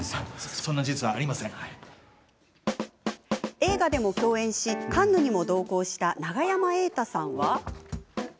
映画でも共演し、カンヌにも同行した永山瑛太さんは。